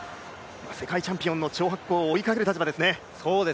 世界チャンピオンの張博恒を追いかける立場ですね。